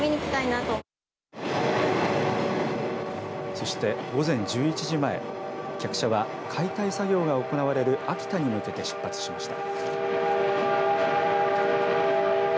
そして午前１１時前客車は解体作業が行われる秋田に向けて出発しました。